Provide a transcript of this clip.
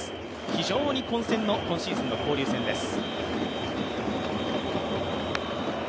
非常に混戦の今シーズンの交流戦です。